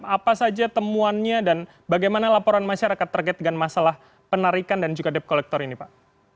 apa saja temuannya dan bagaimana laporan masyarakat terkait dengan masalah penarikan dan juga debt collector ini pak